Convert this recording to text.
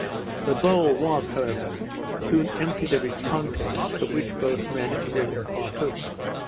The bowl was, however; soon emptied of its contents, of which both men and women partook.